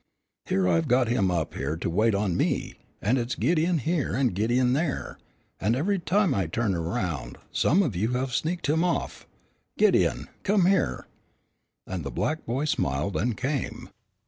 Here I've got him up here to wait on me, and it's Gideon here and Gideon there, and every time I turn around some of you have sneaked him off. Gideon, come here!" And the black boy smiled and came.